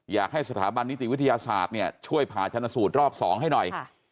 อยากให้สถาบันนิติวิทยาศาสตร์เนี่ยช่วยผ่าชนสูตรรอบ๒ให้หน่อย